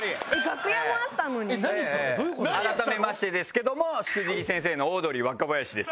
改めましてですけどもしくじり先生のオードリー若林です。